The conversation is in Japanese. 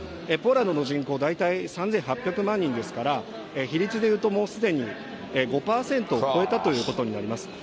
ポーランドの人口、大体３８００万人ですから、比率で言うと、もうすでに５％を超えたということになります。